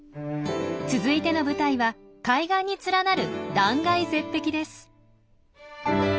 続いての舞台は海岸に連なる断崖絶壁です。